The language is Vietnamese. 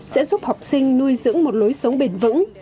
sẽ giúp học sinh nuôi dưỡng một lối sống bền vững